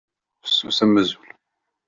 Fessus am azul.